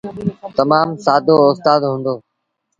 تمآم سآدو اُستآد هُݩدو۔